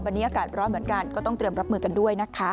วันนี้อากาศร้อนเหมือนกันก็ต้องเตรียมรับมือกันด้วยนะคะ